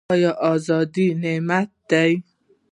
آیا ازادي نعمت دی؟